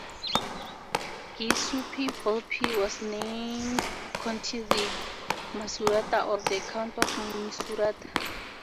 Giuseppe Volpi was named Conte di Misurata, or the Count of Misurata.